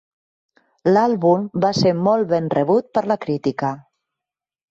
L'àlbum va ser molt ben rebut per la crítica.